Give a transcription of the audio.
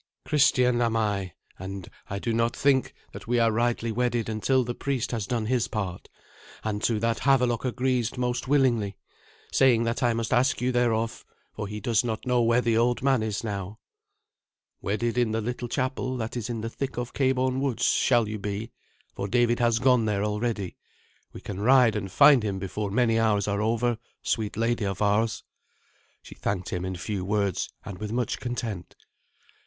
"Christian am I, and I do not think that we are rightly wedded until the priest has done his part. And to that Havelok agrees most willingly, saying that I must ask you thereof, for he does not know where the old man is now." "Wedded in the little chapel that is in the thick of Cabourn woods shall you be, for David has gone there already. We can ride and find him before many hours are over, sweet lady of ours." She thanked him in few words, and with much content.